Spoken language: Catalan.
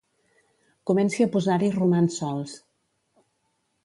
Comenci a posar-hi romans sols.